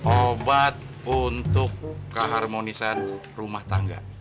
obat untuk keharmonisan rumah tangga